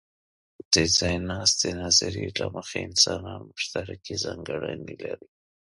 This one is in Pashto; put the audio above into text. د ځایناستې نظریې له مخې، انسانان مشترکې ځانګړنې لري.